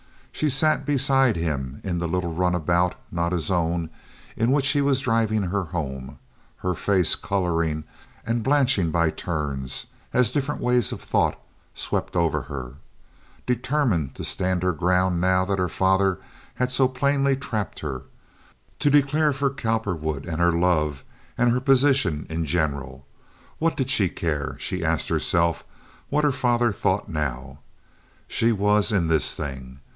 She sat beside him in the little runabout—not his own—in which he was driving her home, her face coloring and blanching by turns, as different waves of thought swept over her, determined to stand her ground now that her father had so plainly trapped her, to declare for Cowperwood and her love and her position in general. What did she care, she asked herself, what her father thought now? She was in this thing.